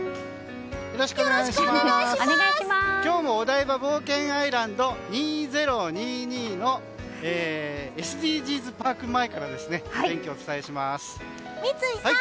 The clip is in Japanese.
今日もオダイバ冒険アイランド２０２２のＳＤＧｓパーク前から天気をお伝えします。